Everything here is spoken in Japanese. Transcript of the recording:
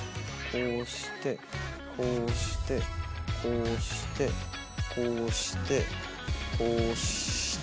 こうしてこうしてこうしてこうしてこうした。